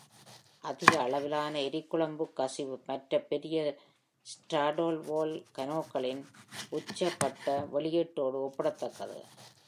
அதிக அளவிலான எரிக்குழம்புக் கசிவு மற்ற பெரிய ஸ்ட்ராடோவோல்கானோக்களின் உச்சபட்ச வெளியீட்டோடு ஒப்பிடத்தக்கது.